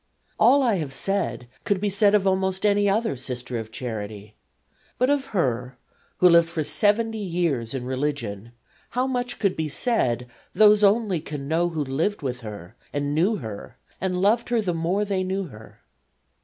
All I have said could be said of almost any other Sister of Charity, but of her, who lived for 70 years in religion, how much could be said those only can know who lived with her and knew her and loved her the more they knew her.